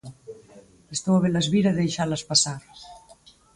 Estou a velas vir e deixalas pasar.